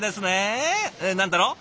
何だろう？